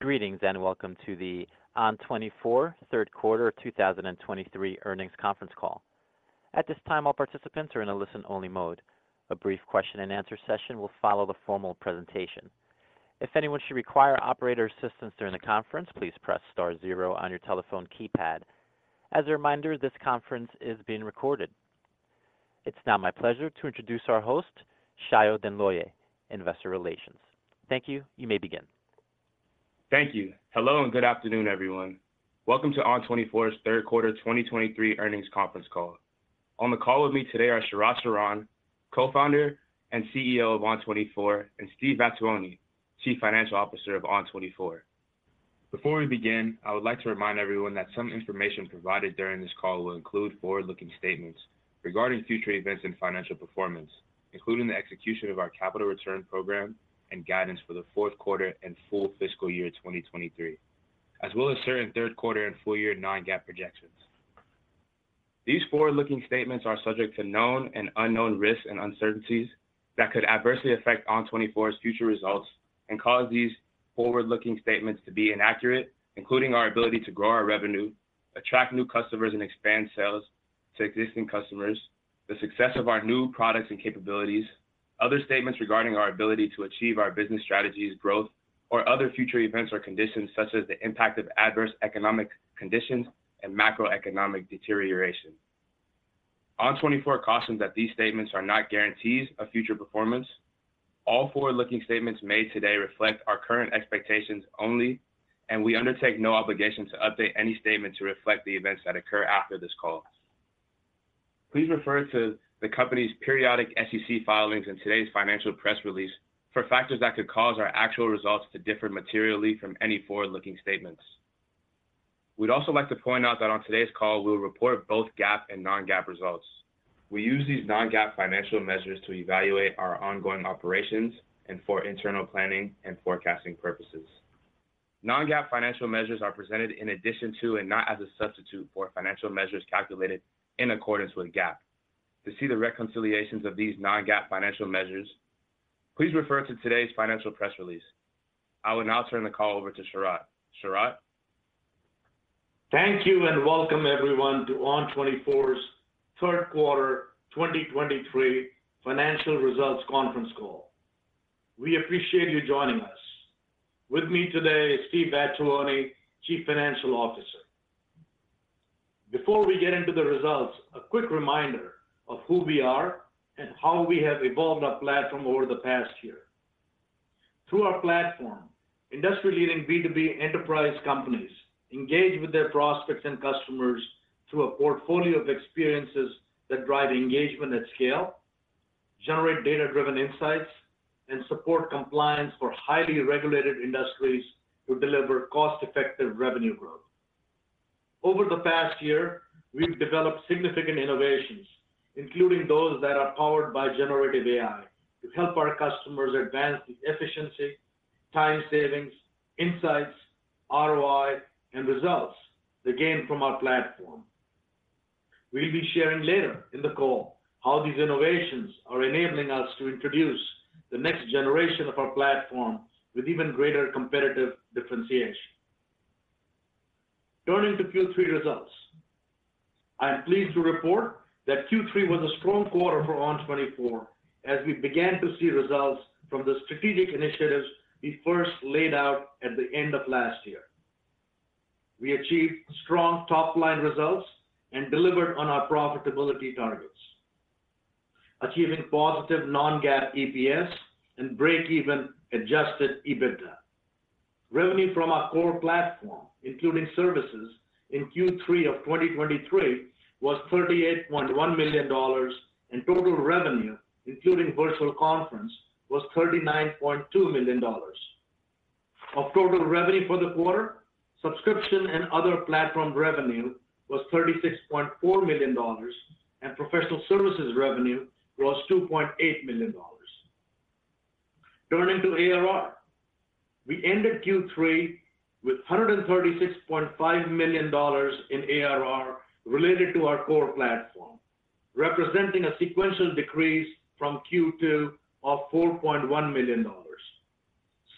Greetings, and welcome to the ON24 third quarter 2023 earnings conference call. At this time, all participants are in a listen-only mode. A brief question and answer session will follow the formal presentation. If anyone should require operator assistance during the conference, please press star zero on your telephone keypad. As a reminder, this conference is being recorded. It's now my pleasure to introduce our host, Sayo Denloye, Investor Relations. Thank you. You may begin. Thank you. Hello, and good afternoon, everyone. Welcome to ON24's third quarter 2023 earnings conference call. On the call with me today are Sharat Sharan, Co-Founder and CEO of ON24, and Steve Vattuone, Chief Financial Officer of ON24. Before we begin, I would like to remind everyone that some information provided during this call will include forward-looking statements regarding future events and financial performance, including the execution of our capital return program and guidance for the fourth quarter and full fiscal year 2023, as well as certain third quarter and full year non-GAAP projections. These forward-looking statements are subject to known and unknown risks and uncertainties that could adversely affect ON24's future results and cause these forward-looking statements to be inaccurate, including our ability to grow our revenue, attract new customers, and expand sales to existing customers, the success of our new products and capabilities. Other statements regarding our ability to achieve our business strategies, growth, or other future events or conditions, such as the impact of adverse economic conditions and macroeconomic deterioration. ON24 cautions that these statements are not guarantees of future performance. All forward-looking statements made today reflect our current expectations only, and we undertake no obligation to update any statement to reflect the events that occur after this call. Please refer to the company's periodic SEC filings and today's financial press release for factors that could cause our actual results to differ materially from any forward-looking statements. We'd also like to point out that on today's call, we'll report both GAAP and non-GAAP results. We use these non-GAAP financial measures to evaluate our ongoing operations and for internal planning and forecasting purposes. Non-GAAP financial measures are presented in addition to, and not as a substitute for, financial measures calculated in accordance with GAAP. To see the reconciliations of these non-GAAP financial measures, please refer to today's financial press release. I will now turn the call over to Sharat. Sharat? Thank you, and welcome everyone to ON24's third quarter 2023 financial results conference call. We appreciate you joining us. With me today is Steve Vattuone, Chief Financial Officer. Before we get into the results, a quick reminder of who we are and how we have evolved our platform over the past year. Through our platform, industry-leading B2B enterprise companies engage with their prospects and customers through a portfolio of experiences that drive engagement at scale, generate data-driven insights, and support compliance for highly regulated industries to deliver cost-effective revenue growth. Over the past year, we've developed significant innovations, including those that are powered by generative AI, to help our customers advance the efficiency, time savings, insights, ROI, and results they gain from our platform. We'll be sharing later in the call how these innovations are enabling us to introduce the next generation of our platform with even greater competitive differentiation. Turning to Q3 results, I am pleased to report that Q3 was a strong quarter for ON24, as we began to see results from the strategic initiatives we first laid out at the end of last year. We achieved strong top-line results and delivered on our profitability targets, achieving positive non-GAAP EPS and breakeven adjusted EBITDA. Revenue from our core platform, including services in Q3 of 2023, was $38.1 million, and total revenue, including virtual conference, was $39.2 million. Of total revenue for the quarter, subscription and other platform revenue was $36.4 million, and professional services revenue was $2.8 million. Turning to ARR, we ended Q3 with $136.5 million in ARR related to our core platform, representing a sequential decrease from Q2 of $4.1 million.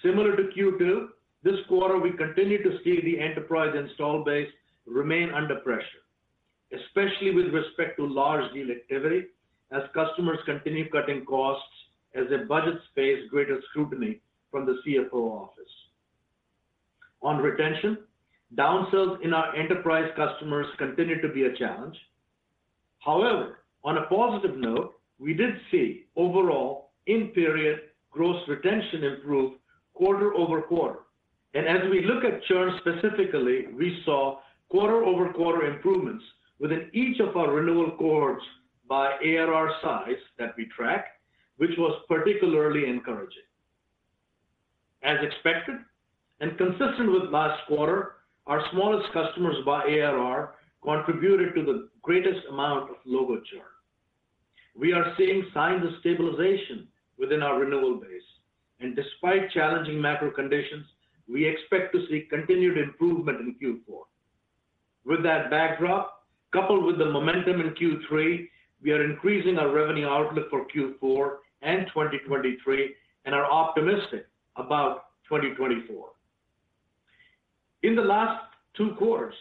Similar to Q2, this quarter, we continue to see the enterprise install base remain under pressure, especially with respect to large deal activity, as customers continue cutting costs as their budgets face greater scrutiny from the CFO office. On retention, downsells in our enterprise customers continue to be a challenge. However, on a positive note, we did see overall in-period gross retention improve quarter-over-quarter, and as we look at churn specifically, we saw quarter-over-quarter improvements within each of our renewal cohorts by ARR size that we track, which was particularly encouraging. As expected and consistent with last quarter, our smallest customers by ARR contributed to the greatest amount of logo churn. We are seeing signs of stabilization within our renewal base, and despite challenging macro conditions, we expect to see continued improvement in Q4. With that backdrop, coupled with the momentum in Q3, we are increasing our revenue outlook for Q4 and 2023, and are optimistic about 2024. In the last two quarters,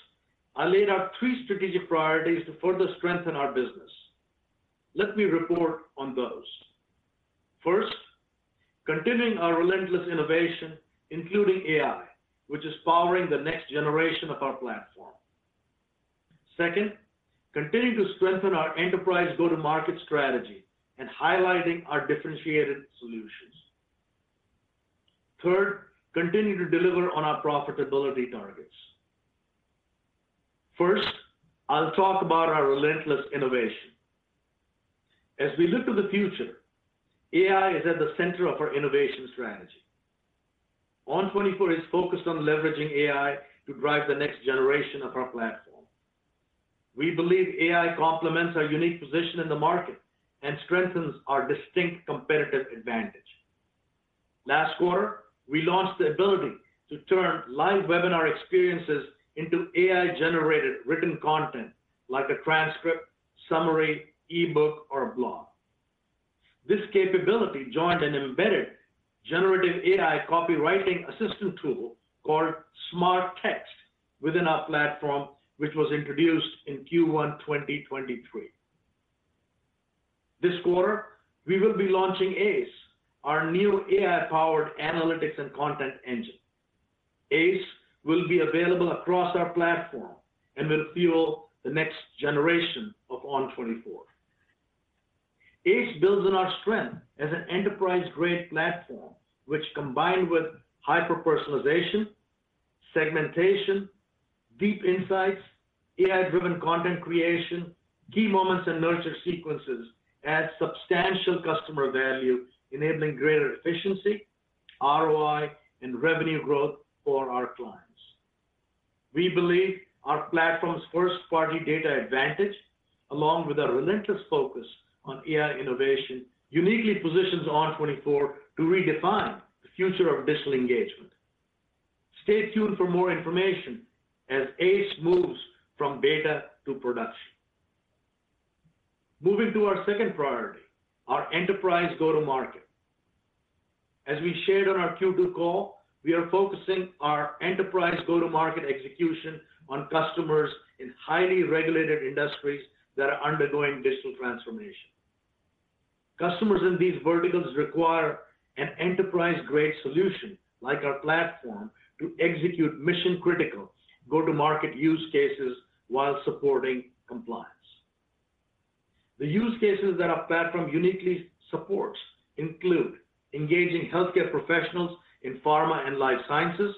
I laid out three strategic priorities to further strengthen our business. Let me report on those. First, continuing our relentless innovation, including AI, which is powering the next generation of our platform. Second, continuing to strengthen our enterprise go-to-market strategy and highlighting our differentiated solutions. Third, continue to deliver on our profitability targets. First, I'll talk about our relentless innovation. As we look to the future, AI is at the center of our innovation strategy. ON24 is focused on leveraging AI to drive the next generation of our platform. We believe AI complements our unique position in the market and strengthens our distinct competitive advantage. Last quarter, we launched the ability to turn live webinar experiences into AI-generated written content, like a transcript, summary, e-book, or a blog. This capability joined an embedded generative AI copywriting assistant tool, called SmartText, within our platform, which was introduced in Q1 2023. This quarter, we will be launching ACE, our new AI-powered Analytics and Content Engine. ACE will be available across our platform and will fuel the next generation of ON24. ACE builds on our strength as an enterprise-grade platform, which combined with hyper-personalization, segmentation, deep insights, AI-driven content creation, key moments, and nurture sequences, adds substantial customer value, enabling greater efficiency, ROI, and revenue growth for our clients. We believe our platform's first-party data advantage, along with our relentless focus on AI innovation, uniquely positions ON24 to redefine the future of digital engagement. Stay tuned for more information as ACE moves from beta to production. Moving to our second priority, our enterprise go-to-market. As we shared on our Q2 call, we are focusing our enterprise go-to-market execution on customers in highly regulated industries that are undergoing digital transformation. Customers in these verticals require an enterprise-grade solution, like our platform, to execute mission-critical go-to-market use cases while supporting compliance. The use cases that our platform uniquely supports include engaging healthcare professionals in pharma and life sciences,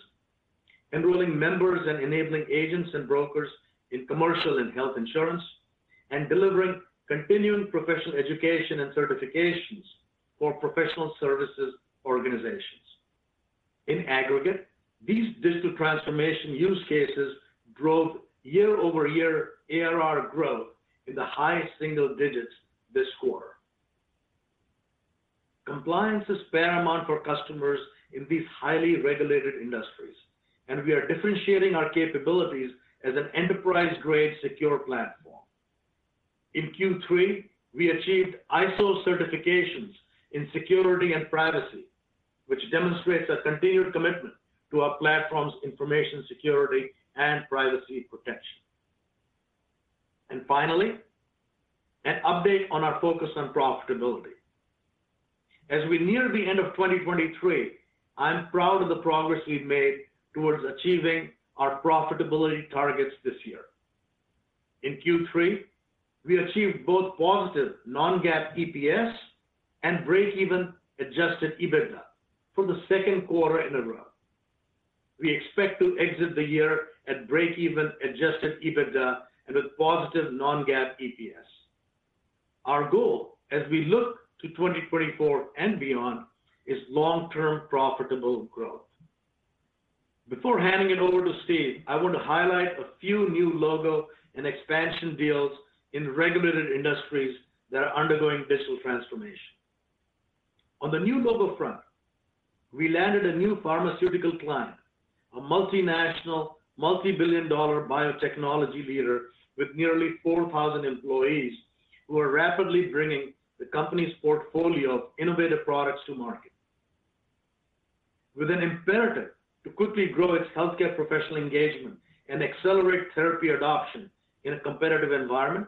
enrolling members and enabling agents and brokers in commercial and health insurance, and delivering continuing professional education and certifications for professional services organizations. In aggregate, these digital transformation use cases drove year-over-year ARR growth in the high single digits this quarter. Compliance is paramount for customers in these highly regulated industries, and we are differentiating our capabilities as an enterprise-grade, secure platform. In Q3, we achieved ISO certifications in security and privacy, which demonstrates our continued commitment to our platform's information security and privacy protection. Finally, an update on our focus on profitability. As we near the end of 2023, I'm proud of the progress we've made towards achieving our profitability targets this year. In Q3, we achieved both positive non-GAAP EPS and breakeven adjusted EBITDA for the second quarter in a row. We expect to exit the year at breakeven adjusted EBITDA and with positive non-GAAP EPS. Our goal, as we look to 2024 and beyond, is long-term, profitable growth. Before handing it over to Steve, I want to highlight a few new logo and expansion deals in regulated industries that are undergoing digital transformation. On the new logo front, we landed a new pharmaceutical client, a multinational, multi-billion-dollar biotechnology leader with nearly 4,000 employees, who are rapidly bringing the company's portfolio of innovative products to market. With an imperative to quickly grow its healthcare professional engagement and accelerate therapy adoption in a competitive environment,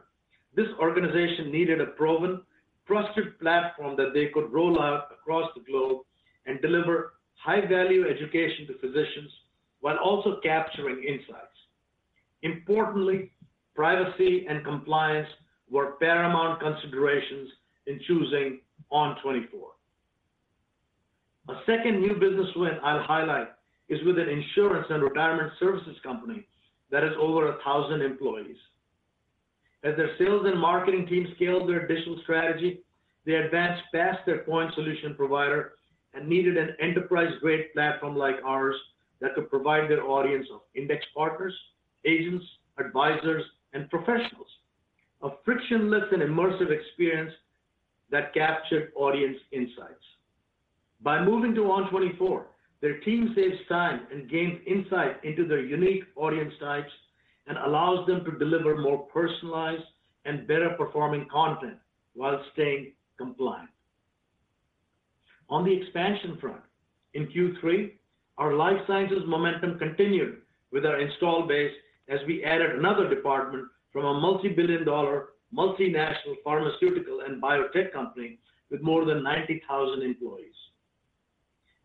this organization needed a proven, trusted platform that they could roll out across the globe and deliver high-value education to physicians while also capturing insights. Importantly, privacy and compliance were paramount considerations in choosing ON24. A second new business win I'll highlight is with an insurance and retirement services company that has over 1,000 employees. As their sales and marketing team scaled their digital strategy, they advanced past their current solution provider and needed an enterprise-grade platform like ours that could provide their audience of index partners, agents, advisors, and professionals, a frictionless and immersive experience that captured audience insights. By moving to ON24, their team saves time and gains insight into their unique audience types, and allows them to deliver more personalized and better performing content while staying compliant. On the expansion front, in Q3, our life sciences momentum continued with our install base as we added another department from a multi-billion-dollar, multinational pharmaceutical and biotech company with more than 90,000 employees.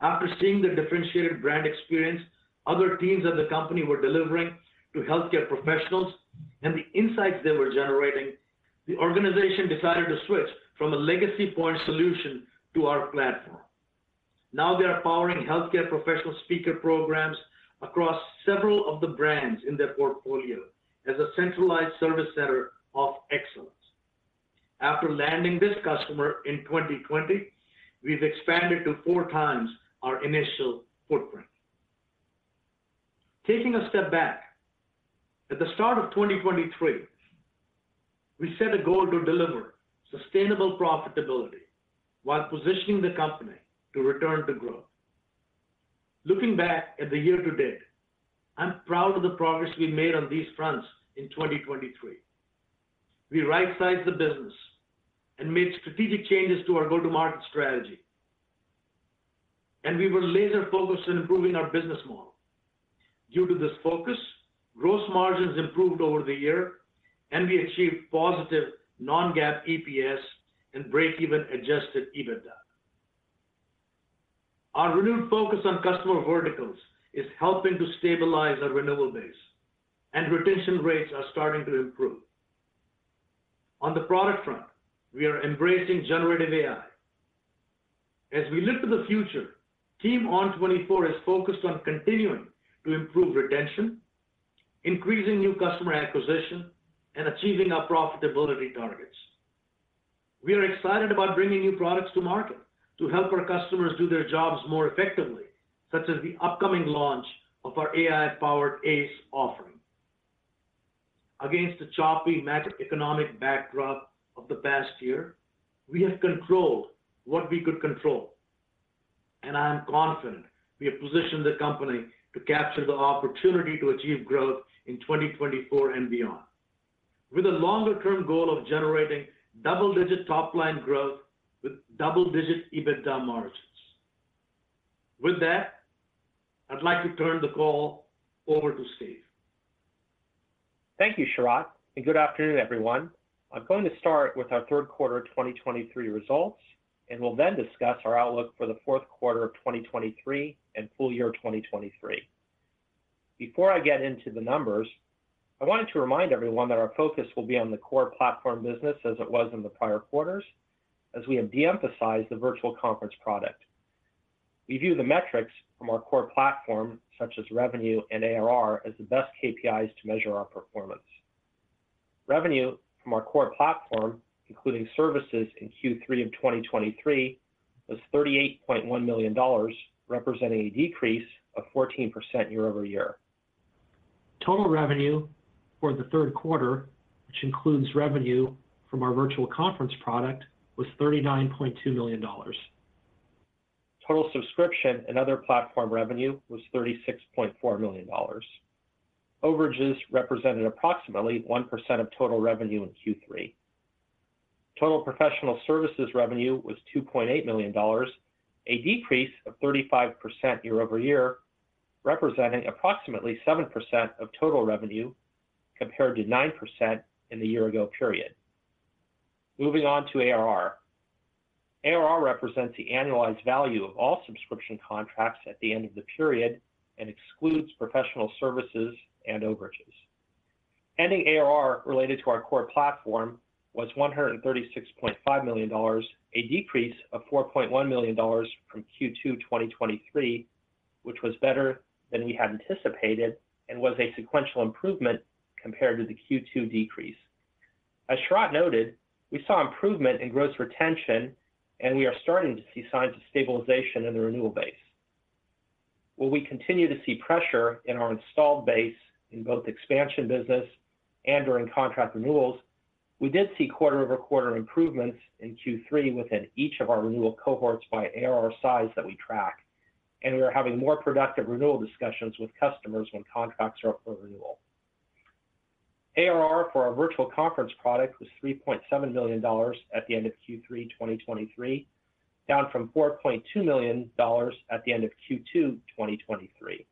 After seeing the differentiated brand experience other teams at the company were delivering to healthcare professionals and the insights they were generating, the organization decided to switch from a legacy point solution to our platform. Now they are powering healthcare professional speaker programs across several of the brands in their portfolio as a centralized service center of excellence. After landing this customer in 2020, we've expanded to 4 times our initial footprint. Taking a step back, at the start of 2023, we set a goal to deliver sustainable profitability while positioning the company to return to growth. Looking back at the year to date, I'm proud of the progress we made on these fronts in 2023. We right-sized the business and made strategic changes to our go-to-market strategy, and we were laser-focused on improving our business model. Due to this focus, gross margins improved over the year, and we achieved positive non-GAAP EPS and breakeven adjusted EBITDA. Our renewed focus on customer verticals is helping to stabilize our recurring base, and retention rates are starting to improve. On the product front, we are embracing generative AI. As we look to the future, Team ON24 is focused on continuing to improve retention, increasing new customer acquisition, and achieving our profitability targets. We are excited about bringing new products to market to help our customers do their jobs more effectively, such as the upcoming launch of our AI-powered ACE offering. Against the choppy macroeconomic backdrop of the past year, we have controlled what we could control, and I am confident we have positioned the company to capture the opportunity to achieve growth in 2024 and beyond, with a longer-term goal of generating double-digit top-line growth with double-digit EBITDA margins. With that, I'd like to turn the call over to Steve. Thank you, Sharat, and good afternoon, everyone. I'm going to start with our third quarter 2023 results, and will then discuss our outlook for the fourth quarter of 2023 and full year 2023. Before I get into the numbers, I wanted to remind everyone that our focus will be on the core platform business as it was in the prior quarters, as we have de-emphasized the virtual conference product. We view the metrics from our core platform, such as revenue and ARR, as the best KPIs to measure our performance. Revenue from our core platform, including services in Q3 of 2023, was $38.1 million, representing a decrease of 14% year-over-year. Total revenue for the third quarter, which includes revenue from our virtual conference product, was $39.2 million. Total subscription and other platform revenue was $36.4 million. Overages represented approximately 1% of total revenue in Q3. Total professional services revenue was $2.8 million, a decrease of 35% year-over-year, representing approximately 7% of total revenue, compared to 9% in the year-ago period. Moving on to ARR. ARR represents the annualized value of all subscription contracts at the end of the period and excludes professional services and overages. Ending ARR related to our core platform was $136.5 million, a decrease of $4.1 million from Q2 2023, which was better than we had anticipated and was a sequential improvement compared to the Q2 decrease. As Sharat noted, we saw improvement in gross retention, and we are starting to see signs of stabilization in the renewal base. While we continue to see pressure in our installed base in both expansion business and during contract renewals, we did see quarter-over-quarter improvements in Q3 within each of our renewal cohorts by ARR size that we track, and we are having more productive renewal discussions with customers when contracts are up for renewal. ARR for our virtual conference product was $3.7 million at the end of Q3 2023, down from $4.2 million at the end of Q2 2023.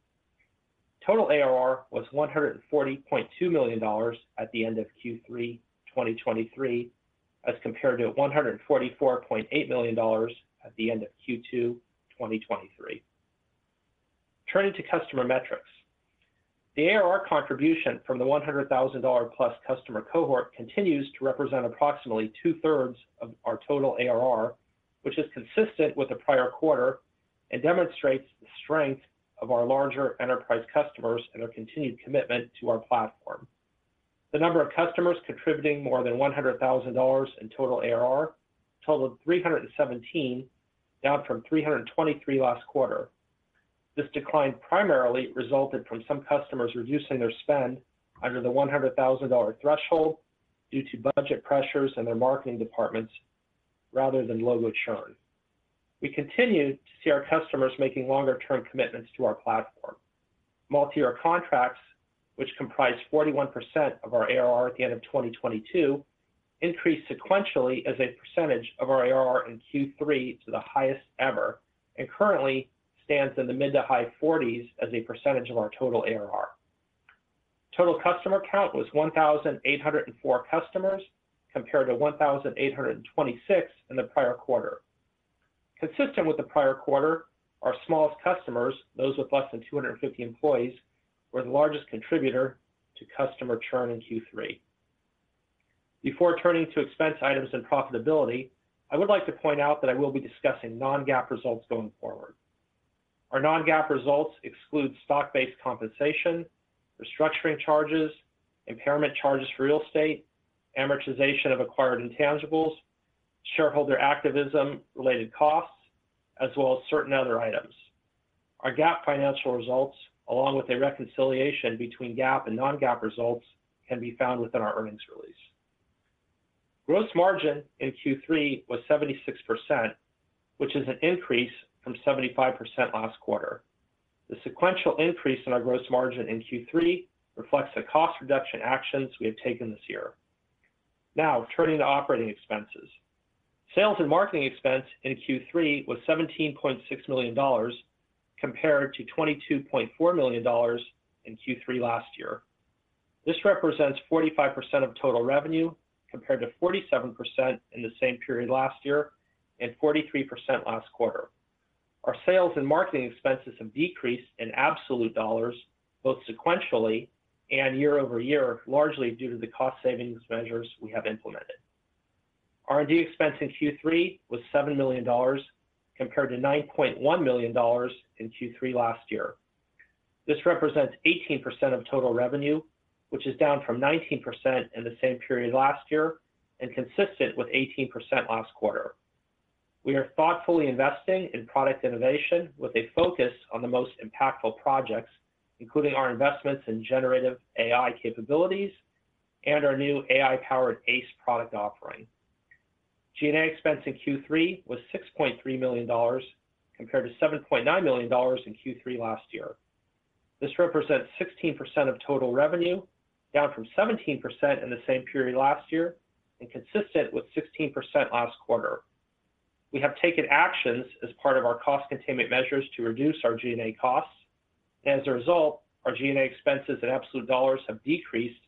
Total ARR was $140.2 million at the end of Q3 2023, as compared to $144.8 million at the end of Q2 2023. Turning to customer metrics. The ARR contribution from the $100,000-plus customer cohort continues to represent approximately two-thirds of our total ARR, which is consistent with the prior quarter and demonstrates the strength of our larger enterprise customers and their continued commitment to our platform. The number of customers contributing more than $100,000 in total ARR totaled 317, down from 323 last quarter. This decline primarily resulted from some customers reducing their spend under the $100,000 threshold due to budget pressures in their marketing departments, rather than logo churn. We continue to see our customers making longer-term commitments to our platform. Multiyear contracts, which comprise 41% of our ARR at the end of 2022, increased sequentially as a percentage of our ARR in Q3 to the highest ever, and currently stands in the mid- to high 40s as a percentage of our total ARR. Total customer count was 1,804 customers, compared to 1,826 in the prior quarter. Consistent with the prior quarter, our smallest customers, those with less than 250 employees, were the largest contributor to customer churn in Q3. Before turning to expense items and profitability, I would like to point out that I will be discussing non-GAAP results going forward. Our non-GAAP results exclude stock-based compensation, restructuring charges, impairment charges for real estate, amortization of acquired intangibles, shareholder activism related costs, as well as certain other items. Our GAAP financial results, along with a reconciliation between GAAP and non-GAAP results, can be found within our earnings release. Gross margin in Q3 was 76%, which is an increase from 75% last quarter. The sequential increase in our gross margin in Q3 reflects the cost reduction actions we have taken this year. Now, turning to operating expenses. Sales and marketing expense in Q3 was $17.6 million, compared to $22.4 million in Q3 last year. This represents 45% of total revenue, compared to 47% in the same period last year and 43% last quarter. Our sales and marketing expenses have decreased in absolute dollars, both sequentially and year-over-year, largely due to the cost savings measures we have implemented. R&D expense in Q3 was $7 million, compared to $9.1 million in Q3 last year. This represents 18% of total revenue, which is down from 19% in the same period last year and consistent with 18% last quarter. We are thoughtfully investing in product innovation with a focus on the most impactful projects, including our investments in generative AI capabilities and our new AI-powered ACE product offering. G&A expense in Q3 was $6.3 million, compared to $7.9 million in Q3 last year. This represents 16% of total revenue, down from 17% in the same period last year and consistent with 16% last quarter. We have taken actions as part of our cost containment measures to reduce our G&A costs. As a result, our G&A expenses in absolute dollars have decreased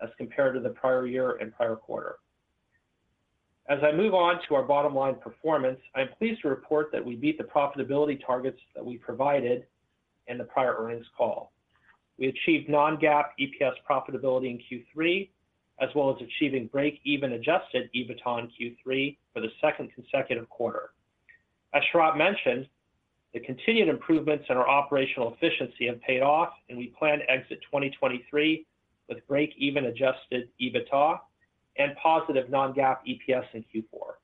as compared to the prior year and prior quarter. As I move on to our bottom-line performance, I am pleased to report that we beat the profitability targets that we provided in the prior earnings call. We achieved non-GAAP EPS profitability in Q3, as well as achieving break-even adjusted EBITDA in Q3 for the second consecutive quarter. As Sharat mentioned, the continued improvements in our operational efficiency have paid off, and we plan to exit 2023 with break-even adjusted EBITDA and positive non-GAAP EPS in Q4.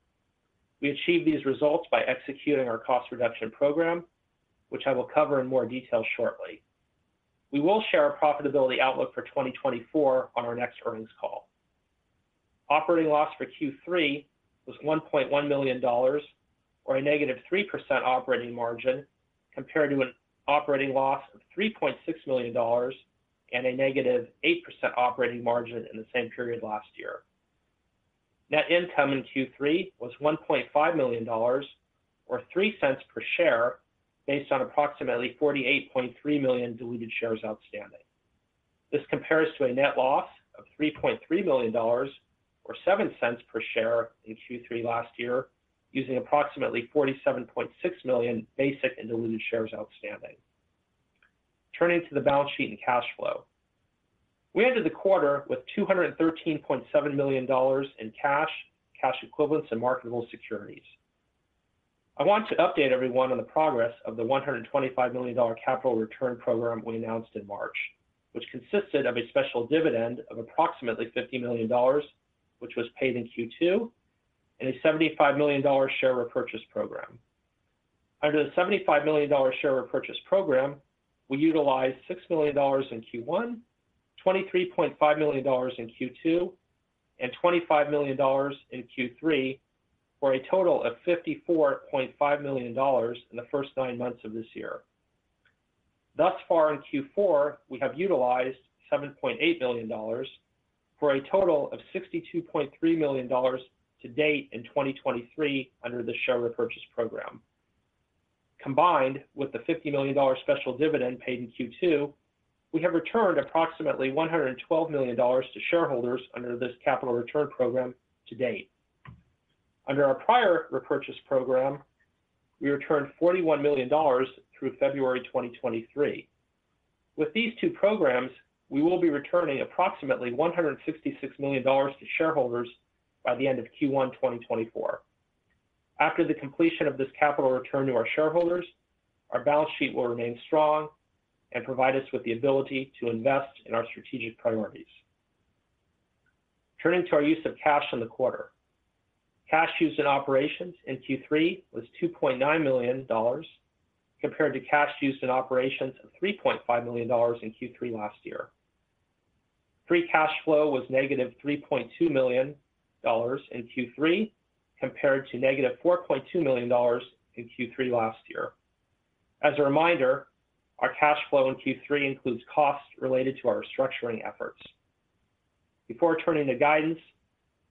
We achieved these results by executing our cost reduction program, which I will cover in more detail shortly. We will share our profitability outlook for 2024 on our next earnings call. Operating loss for Q3 was $1.1 million, or a -3% operating margin, compared to an operating loss of $3.6 million and a -8% operating margin in the same period last year. Net income in Q3 was $1.5 million, or $0.03 per share, based on approximately 48.3 million diluted shares outstanding. This compares to a net loss of $3.3 million, or -$0.07 per share in Q3 last year, using approximately 47.6 million basic and diluted shares outstanding. Turning to the balance sheet and cash flow. We ended the quarter with $213.7 million in cash, cash equivalents, and marketable securities. I want to update everyone on the progress of the $125 million dollar capital return program we announced in March, which consisted of a special dividend of approximately $50 million dollars, which was paid in Q2, and a $75 million dollar share repurchase program. Under the $75 million dollar share repurchase program, we utilized $6 million dollars in Q1, $23.5 million dollars in Q2, and $25 million dollars in Q3, for a total of $54.5 million dollars in the first nine months of this year. Thus far in Q4, we have utilized $7.8 million dollars, for a total of $62.3 million dollars to date in 2023 under the share repurchase program. Combined with the $50 million special dividend paid in Q2, we have returned approximately $112 million to shareholders under this capital return program to date. Under our prior repurchase program, we returned $41 million through February 2023. With these two programs, we will be returning approximately $166 million to shareholders by the end of Q1 2024. After the completion of this capital return to our shareholders, our balance sheet will remain strong and provide us with the ability to invest in our strategic priorities. Turning to our use of cash in the quarter. Cash used in operations in Q3 was $2.9 million, compared to cash used in operations of $3.5 million in Q3 last year. Free cash flow was negative $3.2 million in Q3, compared to negative $4.2 million in Q3 last year. As a reminder, our cash flow in Q3 includes costs related to our restructuring efforts. Before turning to guidance,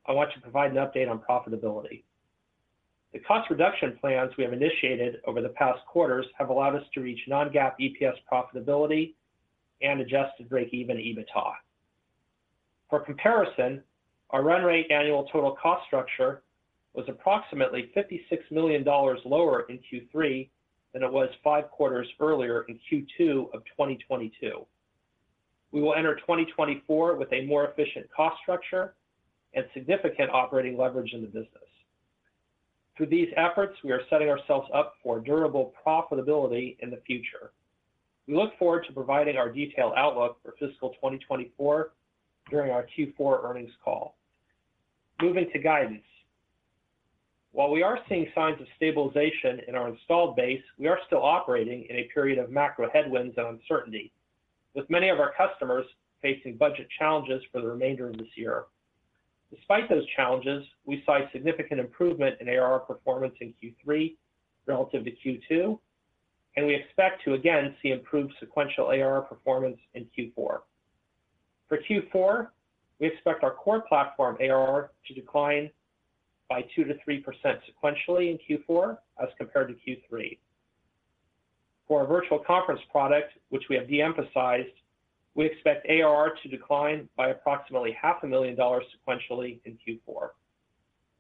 I want to provide an update on profitability. The cost reduction plans we have initiated over the past quarters have allowed us to reach non-GAAP EPS profitability and adjusted breakeven EBITDA. For comparison, our run rate annual total cost structure was approximately $56 million lower in Q3 than it was five quarters earlier in Q2 of 2022. We will enter 2024 with a more efficient cost structure and significant operating leverage in the business. Through these efforts, we are setting ourselves up for durable profitability in the future. We look forward to providing our detailed outlook for fiscal 2024 during our Q4 earnings call. Moving to guidance. While we are seeing signs of stabilization in our installed base, we are still operating in a period of macro headwinds and uncertainty, with many of our customers facing budget challenges for the remainder of this year. Despite those challenges, we saw a significant improvement in ARR performance in Q3 relative to Q2, and we expect to again see improved sequential ARR performance in Q4. For Q4, we expect our core platform ARR to decline by 2%-3% sequentially in Q4 as compared to Q3. For our virtual conference product, which we have de-emphasized, we expect ARR to decline by approximately $500,000 sequentially in Q4.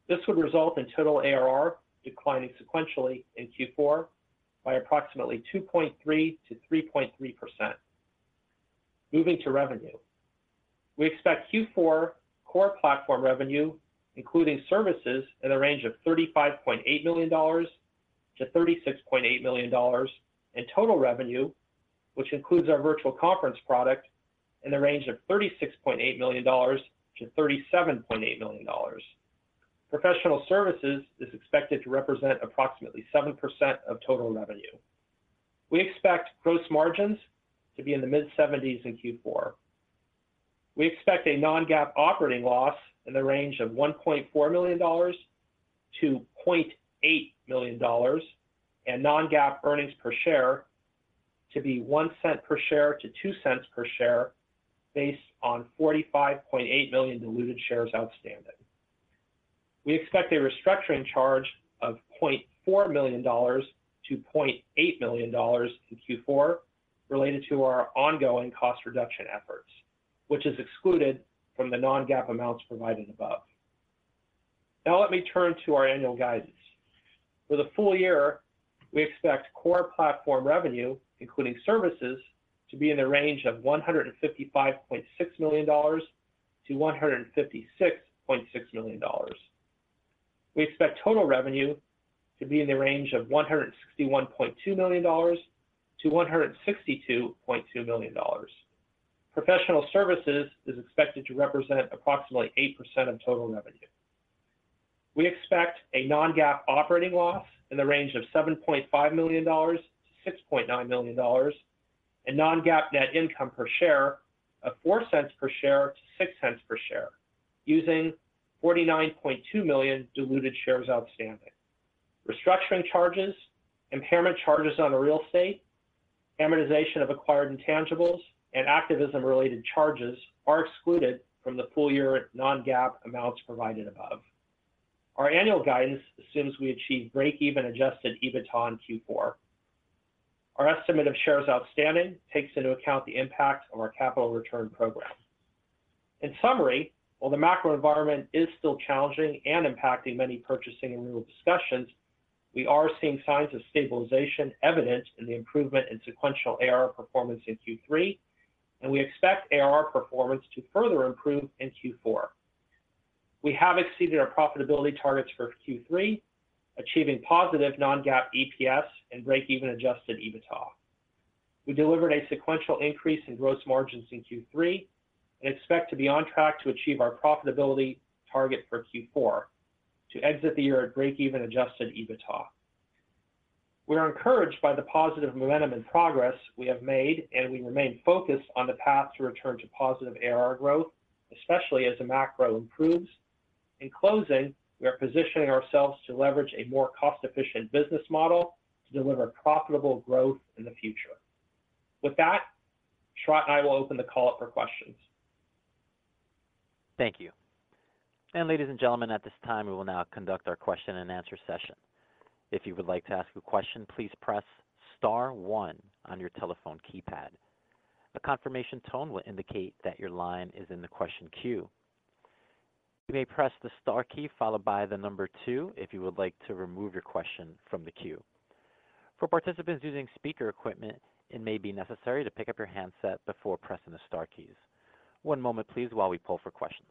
This would result in total ARR declining sequentially in Q4 by approximately 2.3%-3.3%. Moving to revenue. We expect Q4 core platform revenue, including services, in the range of $35.8 million-$36.8 million, and total revenue, which includes our virtual conference product, in the range of $36.8 million-$37.8 million. Professional services is expected to represent approximately 7% of total revenue. We expect gross margins to be in the mid-70s% in Q4. We expect a non-GAAP operating loss in the range of $1.4 million-$0.8 million, and non-GAAP earnings per share to be $0.01-$0.02 per share, based on 45.8 million diluted shares outstanding. We expect a restructuring charge of $0.4 million-$0.8 million in Q4 related to our ongoing cost reduction efforts, which is excluded from the non-GAAP amounts provided above. Now let me turn to our annual guidance. For the full year, we expect core platform revenue, including services, to be in the range of $155.6 million-$156.6 million. We expect total revenue to be in the range of $161.2 million-$162.2 million. Professional services is expected to represent approximately 8% of total revenue. We expect a non-GAAP operating loss in the range of $7.5 million-$6.9 million, and non-GAAP net income per share of $0.04-$0.06 per share, using 49.2 million diluted shares outstanding. Restructuring charges, impairment charges on real estate, amortization of acquired intangibles, and activism-related charges are excluded from the full year non-GAAP amounts provided above. Our annual guidance assumes we achieve breakeven adjusted EBITDA in Q4. Our estimate of shares outstanding takes into account the impact of our capital return program. In summary, while the macro environment is still challenging and impacting many purchasing and renewal discussions, we are seeing signs of stabilization evident in the improvement in sequential ARR performance in Q3, and we expect ARR performance to further improve in Q4. We have exceeded our profitability targets for Q3, achieving positive non-GAAP EPS and breakeven-adjusted EBITDA. We delivered a sequential increase in gross margins in Q3 and expect to be on track to achieve our profitability target for Q4 to exit the year at breakeven-adjusted EBITDA. We are encouraged by the positive momentum and progress we have made, and we remain focused on the path to return to positive ARR growth, especially as the macro improves. In closing, we are positioning ourselves to leverage a more cost-efficient business model to deliver profitable growth in the future. With that, Sharat and I will open the call up for questions. Thank you. And ladies and gentlemen, at this time, we will now conduct our question and answer session. If you would like to ask a question, please press star one on your telephone keypad. A confirmation tone will indicate that your line is in the question queue. You may press the star key followed by the number two if you would like to remove your question from the queue. For participants using speaker equipment, it may be necessary to pick up your handset before pressing the star keys. One moment, please, while we pull for questions....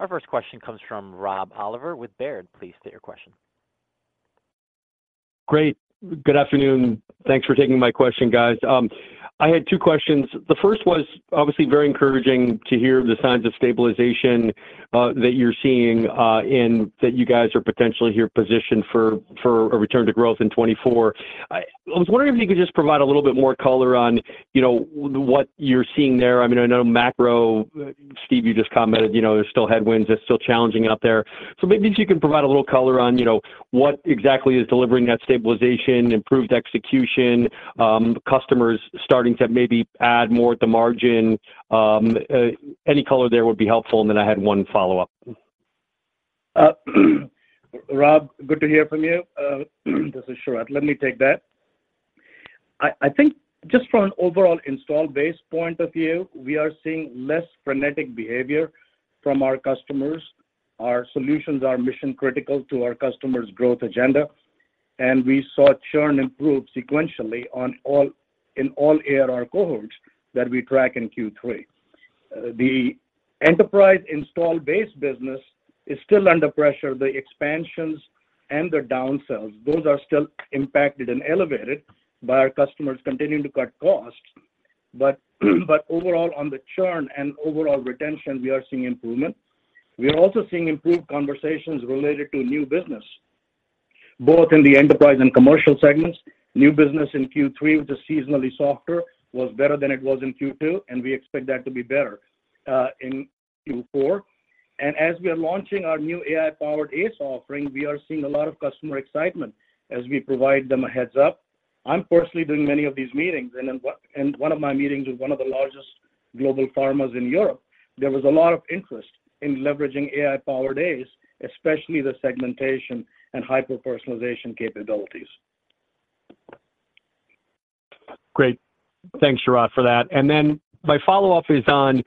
Our first question comes from Rob Oliver with Baird. Please state your question. Great. Good afternoon. Thanks for taking my question, guys. I had two questions. The first was obviously very encouraging to hear the signs of stabilization that you're seeing that you guys are potentially here positioned for, for a return to growth in 2024. I was wondering if you could just provide a little bit more color on, you know, what you're seeing there. I mean, I know macro, Steve, you just commented, you know, there's still headwinds, it's still challenging out there. So maybe if you can provide a little color on, you know, what exactly is delivering that stabilization, improved execution, customers starting to maybe add more at the margin. Any color there would be helpful, and then I had one follow-up. Rob, good to hear from you. This is Sharat. Let me take that. I think just from an overall install base point of view, we are seeing less frenetic behavior from our customers. Our solutions are mission-critical to our customers' growth agenda, and we saw churn improve sequentially in all ARR cohorts that we track in Q3. The enterprise install base business is still under pressure. The expansions and the downsells, those are still impacted and elevated by our customers continuing to cut costs. But overall, on the churn and overall retention, we are seeing improvement. We are also seeing improved conversations related to new business, both in the enterprise and commercial segments. New business in Q3, which is seasonally softer, was better than it was in Q2, and we expect that to be better in Q4. As we are launching our new AI-powered ACE offering, we are seeing a lot of customer excitement as we provide them a heads-up. I'm personally doing many of these meetings, and in one of my meetings with one of the largest global pharmas in Europe, there was a lot of interest in leveraging AI-powered ACE, especially the segmentation and hyper-personalization capabilities. Great. Thanks, Sharat, for that. And then my follow-up is on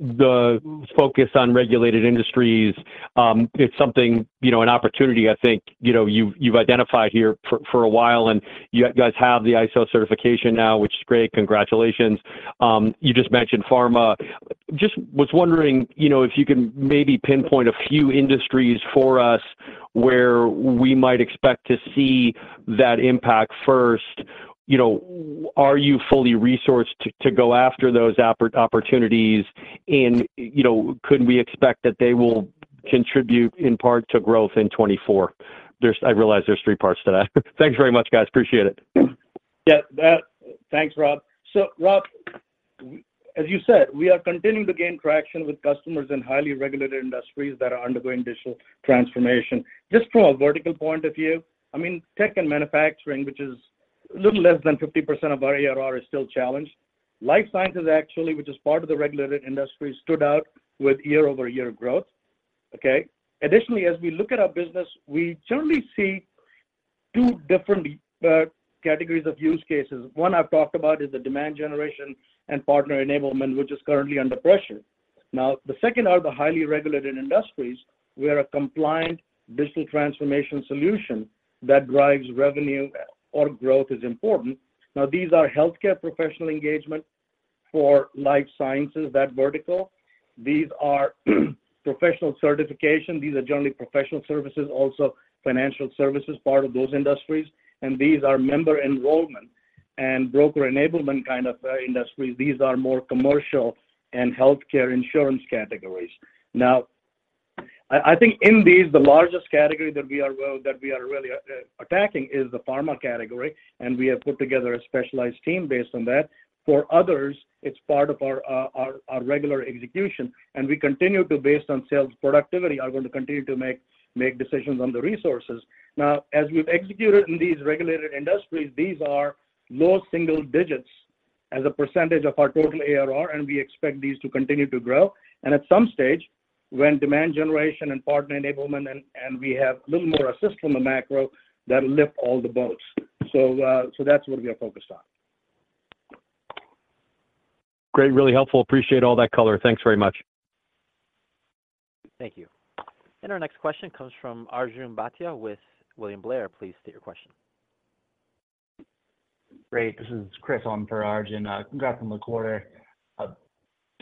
the focus on regulated industries. It's something, you know, an opportunity I think, you know, you've identified here for a while, and you guys have the ISO certification now, which is great. Congratulations. You just mentioned pharma. Just was wondering, you know, if you can maybe pinpoint a few industries for us where we might expect to see that impact first. You know, are you fully resourced to go after those opportunities? And, you know, could we expect that they will contribute in part to growth in 2024? There's. I realize there's three parts to that. Thanks very much, guys. Appreciate it. Yeah, that... Thanks, Rob. So Rob, as you said, we are continuing to gain traction with customers in highly regulated industries that are undergoing digital transformation. Just from a vertical point of view, I mean, tech and manufacturing, which is a little less than 50% of our ARR, is still challenged. Life sciences, actually, which is part of the regulated industry, stood out with year-over-year growth. Okay? Additionally, as we look at our business, we generally see two different categories of use cases. One I've talked about is the demand generation and partner enablement, which is currently under pressure. Now, the second are the highly regulated industries, where a compliant digital transformation solution that drives revenue or growth is important. Now, these are healthcare professional engagement for life sciences, that vertical. These are professional certification. These are generally professional services, also financial services, part of those industries. These are member enrollment and broker enablement kind of industries. These are more commercial and healthcare insurance categories. Now, I think in these, the largest category that we are that we are really attacking is the pharma category, and we have put together a specialized team based on that. For others, it's part of our our our regular execution, and we continue to, based on sales productivity, are going to continue to make make decisions on the resources. Now, as we've executed in these regulated industries, these are low single digits as a percentage of our total ARR, and we expect these to continue to grow. And at some stage, when demand generation and partner enablement and and we have a little more assist from the macro, that'll lift all the boats. So so that's what we are focused on. Great, really helpful. Appreciate all that color. Thanks very much. Thank you. Our next question comes from Arjun Bhatia with William Blair. Please state your question. Great. This is Chris on for Arjun. Congrats on the quarter.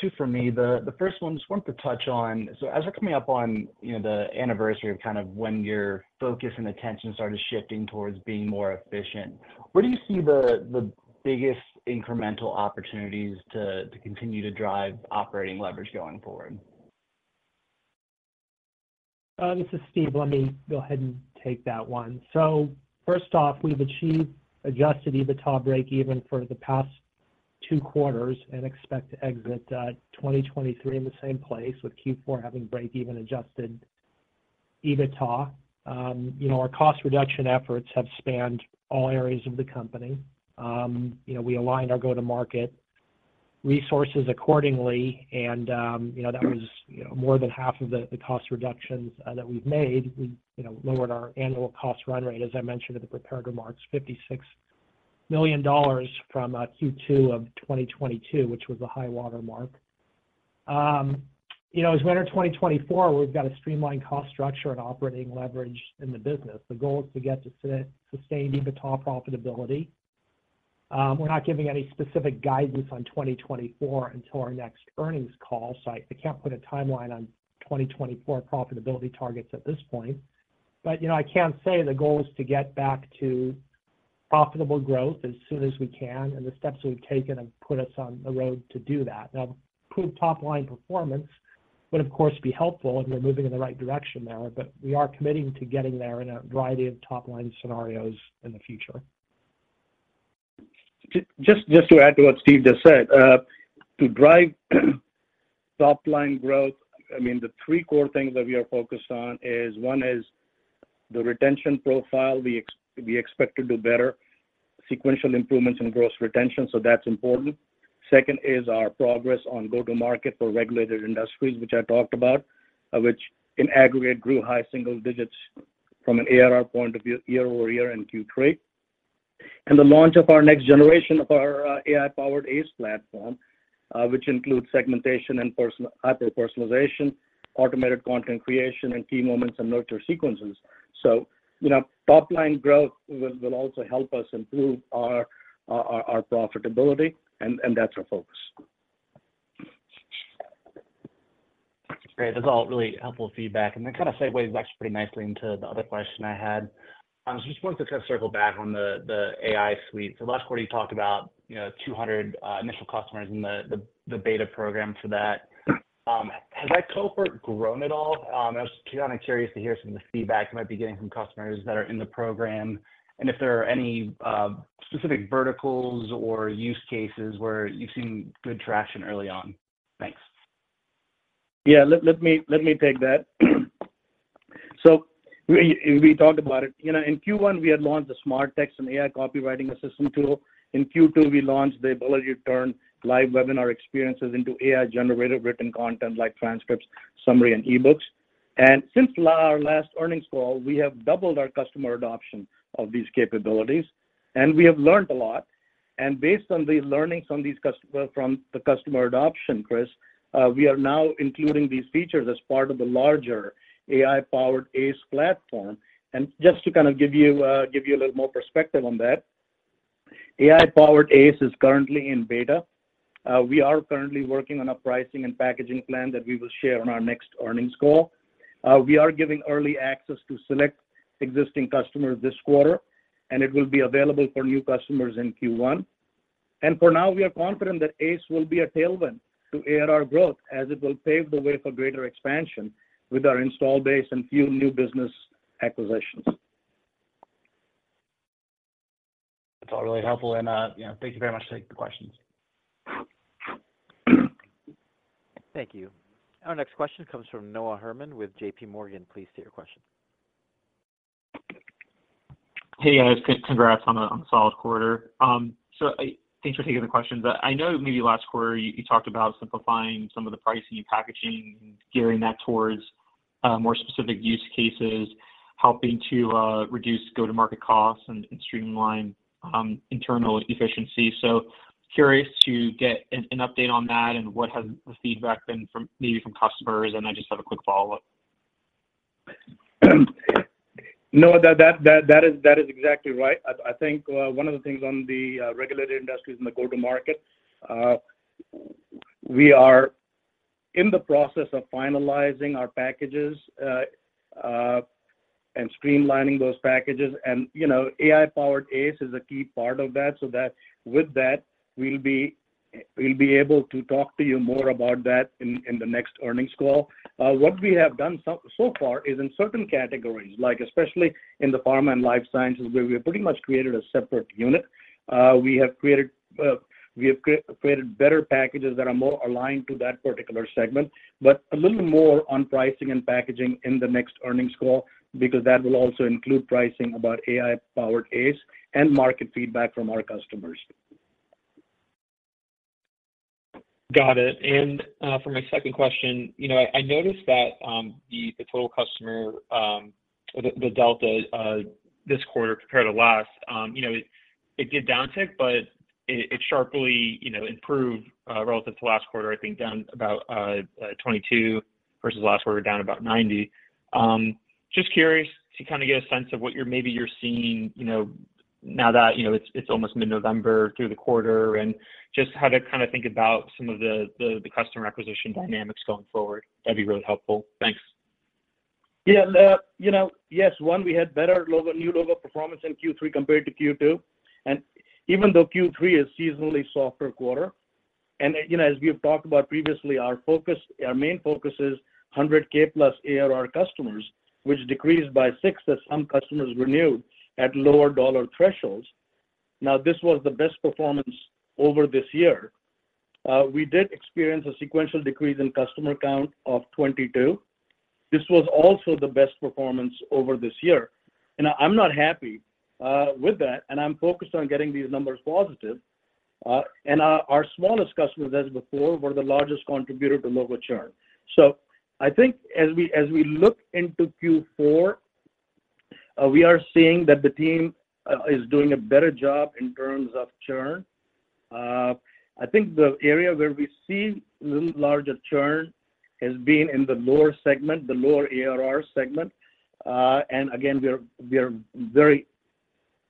Two for me. The first one, just wanted to touch on. So as we're coming up on, you know, the anniversary of kind of when your focus and attention started shifting towards being more efficient, where do you see the biggest incremental opportunities to continue to drive operating leverage going forward? This is Steve. Let me go ahead and take that one. So first off, we've achieved adjusted EBITDA breakeven for the past two quarters and expect to exit 2023 in the same place, with Q4 having breakeven adjusted EBITDA. You know, our cost reduction efforts have spanned all areas of the company. You know, we aligned our go-to-market resources accordingly, and you know, that was you know, more than half of the cost reductions that we've made. You know, we lowered our annual cost run rate, as I mentioned in the prepared remarks, $56 million from Q2 of 2022, which was the high-water mark. You know, as we enter 2024, we've got a streamlined cost structure and operating leverage in the business. The goal is to get to sustaining EBITDA profitability. We're not giving any specific guidance on 2024 until our next earnings call, so I can't put a timeline on 2024 profitability targets at this point. But, you know, I can say the goal is to get back to profitable growth as soon as we can, and the steps we've taken have put us on a road to do that. Now, improved top-line performance would of course be helpful, and we're moving in the right direction there, but we are committing to getting there in a variety of top-line scenarios in the future. Just, just to add to what Steve just said, to drive top-line growth, I mean, the three core things that we are focused on is, one is the retention profile. We expect to do better, sequential improvements in gross retention, so that's important. Second is our progress on go-to-market for regulated industries, which I talked about, which in aggregate, grew high single digits from an ARR point of view, year over year in Q3. And the launch of our next generation of our AI-powered ACE platform, which includes segmentation and hyper personalization, automated content creation, and key moments, and nurture sequences. So, you know, top-line growth will also help us improve our profitability, and that's our focus. Great. That's all really helpful feedback, and that kind of segues actually pretty nicely into the other question I had. I just wanted to kind of circle back on the AI suite. So last quarter, you talked about, you know, 200 initial customers in the beta program for that. Has that cohort grown at all? I was kind of curious to hear some of the feedback you might be getting from customers that are in the program, and if there are any specific verticals or use cases where you've seen good traction early on. Thanks. Yeah, let me take that. So we talked about it. You know, in Q1, we had launched the SmartText and AI copywriting assistant tool. In Q2, we launched the ability to turn live webinar experiences into AI-generated written content like transcripts, summary, and e-books. And since our last earnings call, we have doubled our customer adoption of these capabilities, and we have learned a lot. And based on the learnings from these customer—from the customer adoption, Chris, we are now including these features as part of the larger AI-powered ACE platform. And just to kind of give you a little more perspective on that, AI-powered ACE is currently in beta. We are currently working on a pricing and packaging plan that we will share on our next earnings call. We are giving early access to select existing customers this quarter, and it will be available for new customers in Q1. For now, we are confident that ACE will be a tailwind to ARR growth, as it will pave the way for greater expansion with our install base and few new business acquisitions. That's all really helpful, and, you know, thank you very much. Take the questions. Thank you. Our next question comes from Noah Herman with J.P. Morgan. Please state your question. Hey, guys. Congrats on a solid quarter. Thanks for taking the question. But I know maybe last quarter you talked about simplifying some of the pricing and packaging and gearing that towards more specific use cases, helping to reduce go-to-market costs and streamline internal efficiency. So curious to get an update on that and what has the feedback been from customers? And I just have a quick follow-up. Noah, that is exactly right. I think one of the things on the regulated industries in the go-to-market, we are in the process of finalizing our packages and streamlining those packages, and, you know, AI-powered ACE is a key part of that. So with that, we'll be able to talk to you more about that in the next earnings call. What we have done so far is in certain categories, like especially in the pharma and life sciences, where we have pretty much created a separate unit. We have created, we have created better packages that are more aligned to that particular segment, but a little more on pricing and packaging in the next earnings call, because that will also include pricing about AI-powered ACE and market feedback from our customers. Got it. And for my second question, you know, I noticed that the total customer or the delta this quarter compared to last, you know, it did downtick, but it sharply, you know, improved relative to last quarter, I think down about 22 versus last quarter, down about 90. Just curious to kind of get a sense of what you're maybe seeing, you know, now that you know, it's almost mid-November through the quarter, and just how to kind of think about some of the customer acquisition dynamics going forward. That'd be really helpful. Thanks. Yeah, you know, yes. We had better logo, new logo performance in Q3 compared to Q2, and even though Q3 is seasonally softer quarter, and, you know, as we have talked about previously, our focus—our main focus is 100K+ ARR customers, which decreased by 6, as some customers renewed at lower dollar thresholds. Now, this was the best performance over this year. We did experience a sequential decrease in customer count of 22. This was also the best performance over this year, and I'm not happy with that, and I'm focused on getting these numbers positive. And our smallest customers, as before, were the largest contributor to logo churn. So I think as we look into Q4, we are seeing that the team is doing a better job in terms of churn. I think the area where we see little larger churn has been in the lower segment, the lower ARR segment. And again, we are very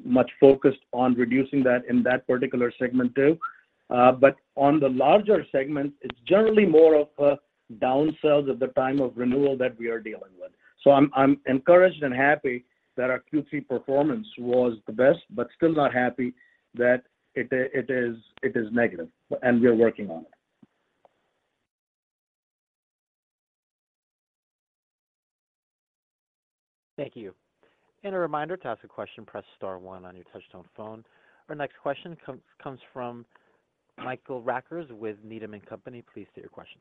much focused on reducing that in that particular segment, too. But on the larger segment, it's generally more of a down sales at the time of renewal that we are dealing with. So I'm encouraged and happy that our Q3 performance was the best, but still not happy that it is negative, and we are working on it. Thank you. And a reminder, to ask a question, press star one on your touchtone phone. Our next question comes from Michael Rackers with Needham & Company. Please state your question.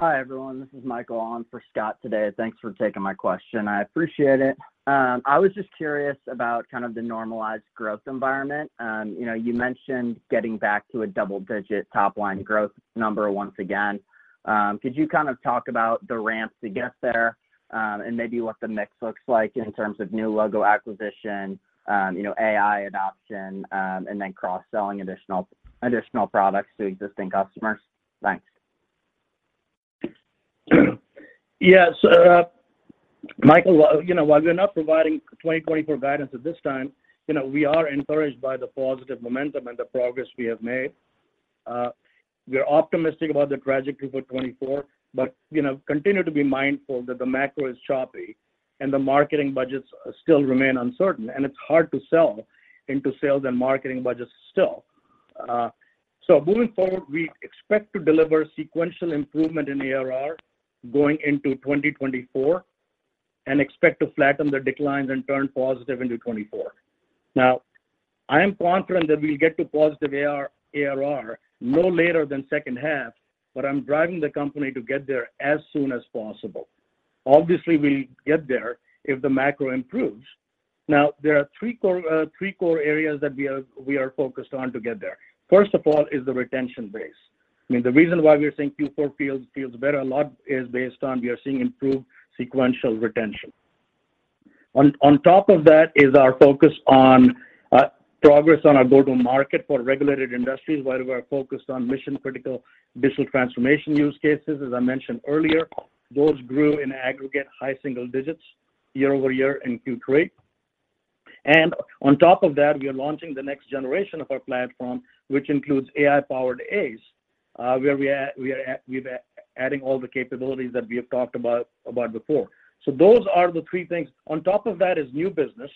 Hi, everyone. This is Michael on for Scott today. Thanks for taking my question. I appreciate it. I was just curious about kind of the normalized growth environment. You know, you mentioned getting back to a double-digit top line growth number once again. Could you kind of talk about the ramps to get there, and maybe what the mix looks like in terms of new logo acquisition, you know, AI adoption, and then cross-selling additional, additional products to existing customers? Thanks. Yes. Michael, you know, while we're not providing 2024 guidance at this time, you know, we are encouraged by the positive momentum and the progress we have made. We are optimistic about the trajectory for 2024, but, you know, continue to be mindful that the macro is choppy and the marketing budgets still remain uncertain, and it's hard to sell into sales and marketing budgets still. So moving forward, we expect to deliver sequential improvement in ARR going into 2024, and expect to flatten the declines and turn positive into 2024. Now, I am confident that we'll get to positive ARR no later than second half, but I'm driving the company to get there as soon as possible. Obviously, we'll get there if the macro improves. Now, there are three core, three core areas that we are, we are focused on to get there. First of all, is the retention base. I mean, the reason why we are saying Q4 feels, feels better a lot, is based on we are seeing improved sequential retention. On top of that is our focus on, progress on our go-to-market for regulated industries, where we are focused on mission-critical digital transformation use cases. As I mentioned earlier, those grew in aggregate high single digits year-over-year in Q3. And on top of that, we are launching the next generation of our platform, which includes AI-powered ACE, where we are, we are adding all the capabilities that we have talked about, about before. So those are the three things. On top of that is new business.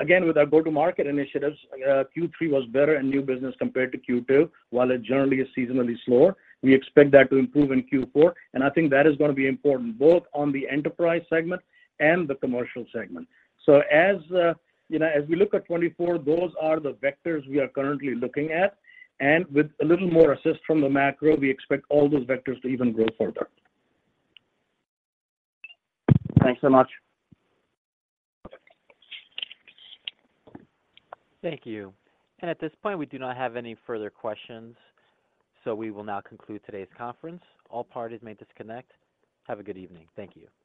Again, with our go-to-market initiatives, Q3 was better in new business compared to Q2, while it generally is seasonally slower. We expect that to improve in Q4, and I think that is gonna be important both on the enterprise segment and the commercial segment. So as, you know, as we look at 2024, those are the vectors we are currently looking at, and with a little more assist from the macro, we expect all those vectors to even grow further. Thanks so much. Thank you. At this point, we do not have any further questions, so we will now conclude today's conference. All parties may disconnect. Have a good evening. Thank you.